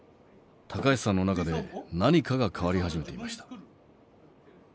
橋さんの中で何かが変わり始めていました。